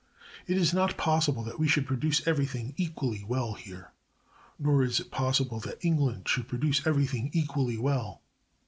It is not possible that we should produce everything equally well here; nor is it possible that England should produce everything equally well.